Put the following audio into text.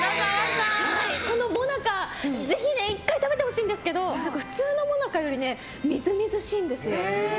この最中、ぜひ１回食べてもらいたいんですけど普通の最中よりみずみずしいんですよ。